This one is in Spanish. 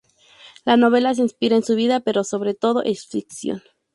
La novela se inspira en su vida, pero sobre todo es ficción.